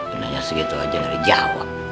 inanya segitu aja yang dijawab